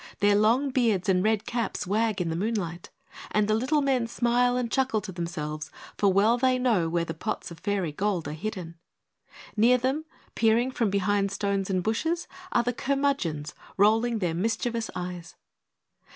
Their long beards and red caps wag in the moonlight; and the little men smile and chuckle to themselves, for well they know where the pots of Fairy Gold are hidden. Near them, peering from behind stones and bushes, are the Curmudgeons, rolling their mischievous eyes.